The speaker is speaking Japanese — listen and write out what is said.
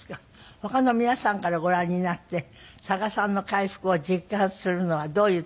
他の皆さんからご覧になって佐賀さんの回復を実感するのはどういう時ですか？